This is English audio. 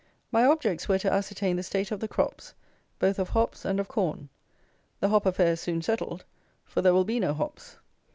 My objects were to ascertain the state of the crops, both of hops and of corn. The hop affair is soon settled, for there will be no hops.